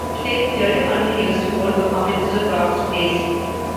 Today, the theatre continues to hold performances of Rob's plays.